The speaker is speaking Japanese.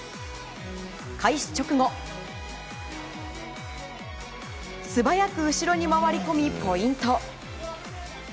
開始直後、素早く後ろに回り込みポイント。